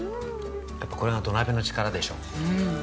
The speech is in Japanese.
やっぱこれが土鍋の力でしょ。